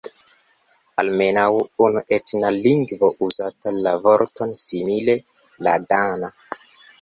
Almenaŭ unu etna lingvo uzas la vorton simile: la dana.